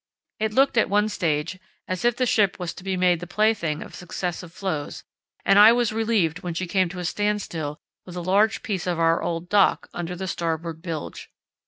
It looked at one stage as if the ship was to be made the plaything of successive floes, and I was relieved when she came to a standstill with a large piece of our old "dock" under the starboard bilge.